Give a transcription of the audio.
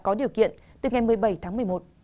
có điều kiện từ ngày một mươi bảy tháng một mươi một